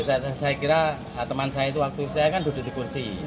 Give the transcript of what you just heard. saya kira teman saya itu waktu saya kan duduk di kursi